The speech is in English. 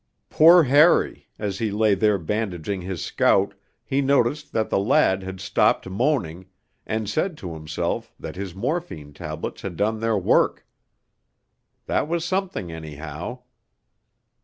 Poor Harry! as he lay there bandaging his scout, he noticed that the lad had stopped moaning, and said to himself that his morphine tablets had done their work. That was something, anyhow.